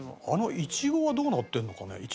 あのいちごはどうなってるのかね？